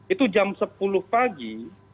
itu jam sepuluh pagi